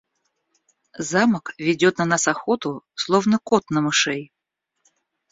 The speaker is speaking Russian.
Замок ведет на нас охоту, словно кот на мышей.